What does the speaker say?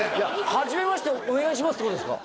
「はじめましてお願いします」ってことですか？